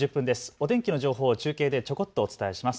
お天気の情報を中継でちょこっとお伝えします。